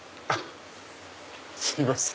すいません。